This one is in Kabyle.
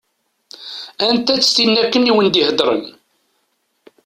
Anta-tt tin akken i wen-d-iheddṛen?